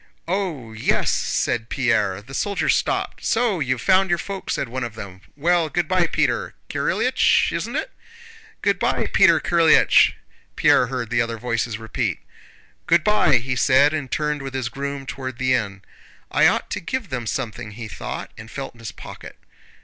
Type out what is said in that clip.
"Oh, yes!" said Pierre. The soldiers stopped. "So you've found your folk?" said one of them. "Well, good by, Peter Kirílych—isn't it?" "Good by, Peter Kirílych!" Pierre heard the other voices repeat. "Good by!" he said and turned with his groom toward the inn. "I ought to give them something!" he thought, and felt in his pocket.